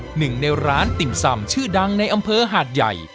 หนึ่งในร้านติ่มซ่ำชื่อดังในอำเภอหาดใหญ่